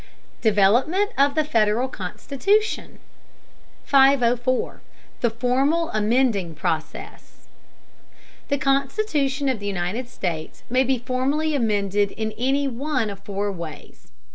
C. DEVELOPMENT OF THE FEDERAL CONSTITUTION 504. THE FORMAL AMENDING PROCESS. The Constitution of the United States may be formally amended in any one of four ways.